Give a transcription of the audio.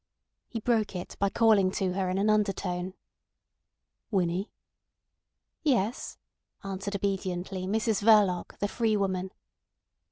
He broke it by calling to her in an undertone. "Winnie." "Yes," answered obediently Mrs Verloc the free woman.